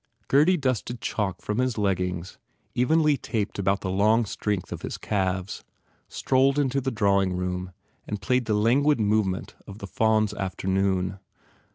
Gurdy dusted chalk from his leggings, evenly taped about the long strength of his calves, strolled into the drawing room and played the languid movement of the Faun s After noon.